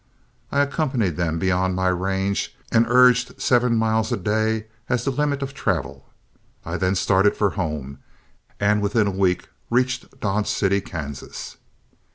I accompanied them beyond my range and urged seven miles a day as the limit of travel. I then started for home, and within a week reached Dodge City, Kansas.